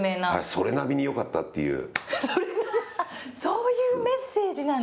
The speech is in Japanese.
それなりによかったという。